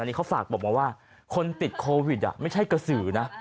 อันนี้เขาฝากบอกมาว่าคนติดโควิดไม่ใช่กระสือนะ